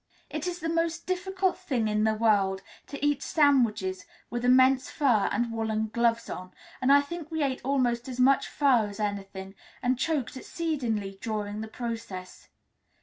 It is the most difficult thing in the world to eat sandwiches with immense fur and woollen gloves on, and I think we ate almost as much fur as anything, and choked exceedingly during the process.